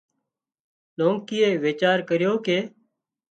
لونڪيئي ويچار ڪريو ڪي